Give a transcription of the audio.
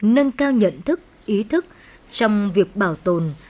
nâng cao nhận thức ý thức trong việc bảo tồn